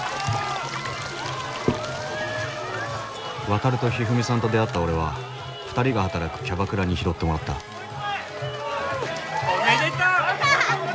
ワタルとひふみさんと出会った俺は２人が働くキャバクラに拾ってもらったおめでとう！